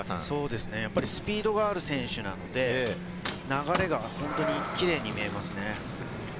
やっぱりスピードがある選手なんで、流れが本当に綺麗に見えますね。